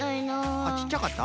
あっちっちゃかった？